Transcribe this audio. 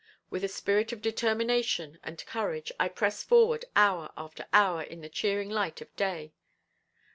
With a spirit of determination and courage I pressed forward hour after hour in the cheering light of day.